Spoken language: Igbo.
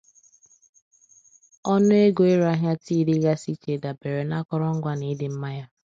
Ọnụ ego ịre ahịa tii dịgasị iche dabere na akụrụngwa ya na ịdị mma ya.